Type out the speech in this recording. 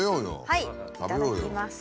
はいいただきます。